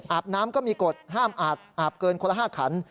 น้ำก็มีกฎห้ามอาบอาบเกินคนละ๕ขัน